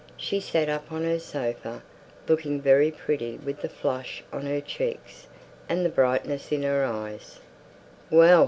She sat up on her sofa, looking very pretty with the flush on her cheeks, and the brightness in her eyes.